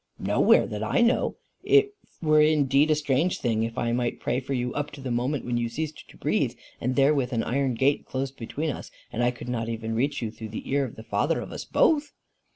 "Nowhere that I know. It were indeed a strange thing if I might pray for you up to the moment when you ceased to breathe, and therewith an iron gate close between us, and I could not even reach you through the ear of the Father of us both!